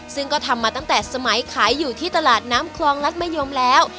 ซึ่งก็ทำมาตั้งแต่สมัยขายอยู่ที่ตลาดน้ำคลองรัฐมะยมแล้ว